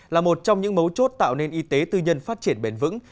là một trong những mấu chốt tạo nên y tế tư nhân phát triển bền vững